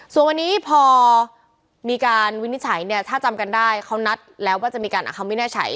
ส่วนวันนี้พอมีการวินิจฉัยเนี่ยถ้าจำกันได้เขานัดแล้วว่าจะมีการคำวินิจฉัย